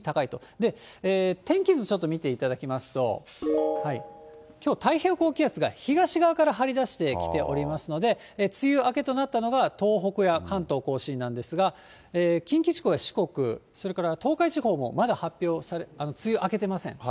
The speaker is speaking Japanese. で、天気図ちょっと見ていただきますと、きょう、太平洋高気圧が東側から張り出してきておりますので、梅雨明けとなったのが、東北や関東甲信なんですが、近畿地方や四国、それから東海地方も、まだ梅雨明けてません。